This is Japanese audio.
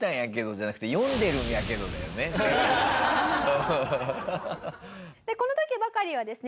じゃなくて「読んでるんやけど」だよね。この時ばかりはですね